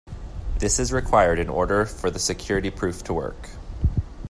This is required in order for the security proof to work.